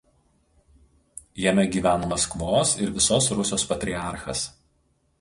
Jame gyvena Maskvos ir visos Rusios patriarchas.